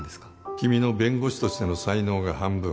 君の弁護士としての才能が半分